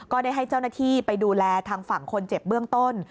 ได้ให้เจ้าหน้าที่ไปดูแลทางฝั่งคนเจ็บเบื้องต้น